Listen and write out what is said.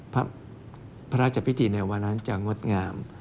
พระราชพิธีในวันนั้นจะงดงาม